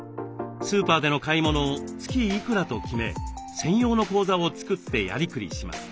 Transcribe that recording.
スーパーでの買い物を「月いくら」と決め専用の口座を作ってやりくりします。